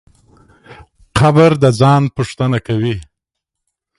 قبر د ځان پوښتنه کوي.